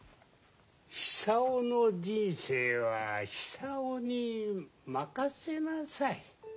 久男の人生は久男に任せなさい。